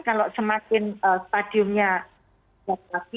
kalau semakin stadiumnya berat lagi